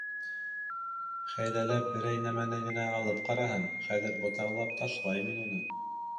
— Хәйләләп берәй нәмәне генә алып ҡараһын, хәҙер ботарлап ташлайым мин уны.